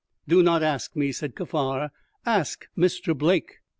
"Do not ask me," said Kaffar. "Ask Mr. Blake."